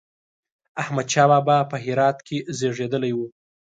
احمد شاه بابا په هرات کې زېږېدلی و